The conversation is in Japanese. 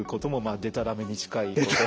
でたらめに近い？